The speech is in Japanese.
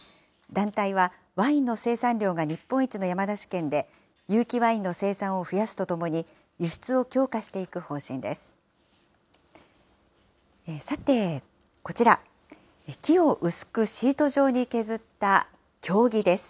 団体はワインの生産量が日本一の山梨県で、有機ワインの生産を増やすとともに、輸出を強化していく方針です。